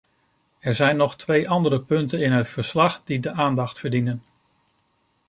Er zijn nog twee andere punten in het verslag die de aandacht verdienen.